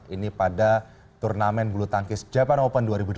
ini pada turnamen bulu tangkis japan open dua ribu delapan belas